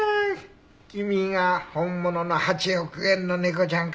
君が本物の８億円の猫ちゃんか。